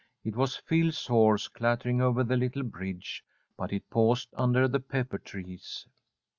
It was Phil's horse clattering over the little bridge. But it paused under the pepper trees.